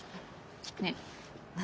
ねえ何？